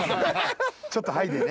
ちょっと剥いでね。